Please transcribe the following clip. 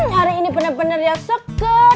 hari ini benar benar ya seke